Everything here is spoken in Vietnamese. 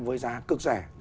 với giá cực rẻ